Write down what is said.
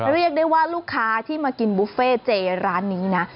เรียกได้ว่าลูกค้าที่มากินบุฟเฟ่เจร้านนี้นะ